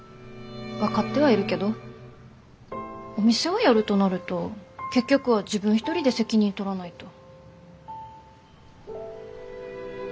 分かってはいるけどお店をやるとなると結局は自分一人で責任取らないと。